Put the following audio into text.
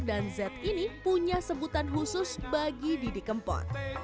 dan zed ini punya sebutan khusus bagi didi kempor